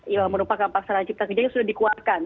yang merupakan paksa rancangan ciptakerja yang sudah dikeluarkan